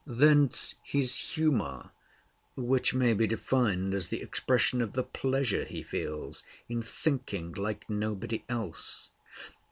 Thence his humor, which may be defined as the expression of the pleasure he feels in thinking like nobody else.